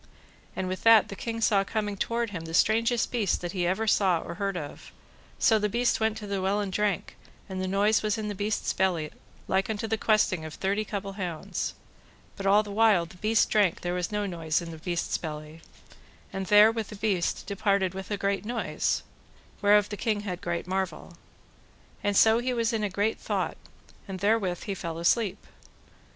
And with that the king saw coming toward him the strangest beast that ever he saw or heard of; so the beast went to the well and drank, and the noise was in the beast's belly like unto the questing of thirty couple hounds; but all the while the beast drank there was no noise in the beast's belly: and there with the beast departed with a great noise, whereof the king had great marvel. And so he was in a great thought, and therewith he fell asleep.